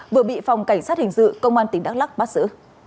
vừa bị phòng cảnh sát hình sự công an tỉnh đắk lắc bắt giữ